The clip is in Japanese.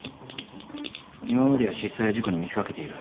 今までは失踪や事故に見せ掛けている。